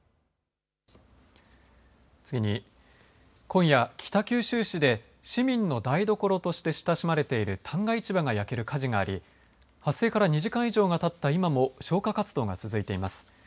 次に今夜、北九州市で市民の台所として親しまれている旦過市場が焼ける火事があり発生から２時間以上がたった今も消火活動が続いています。